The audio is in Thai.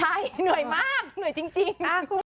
ใช่เหนื่อยมากเหนื่อยจริง